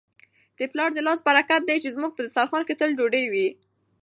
د پلار د لاس برکت دی چي زموږ په دسترخوان کي تل ډوډۍ وي.